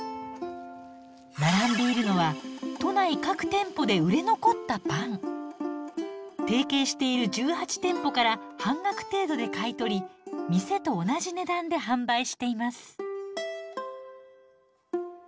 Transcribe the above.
並んでいるのは都内提携している１８店舗から半額程度で買い取り店と同じ値段で販売しています。